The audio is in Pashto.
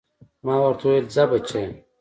ما ورته وويل ځه بچيه.